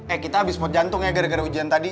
eh kita abis pot jantung ya gara gara ujian tadi